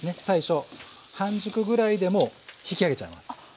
最初半熟ぐらいでもう引き上げちゃいます。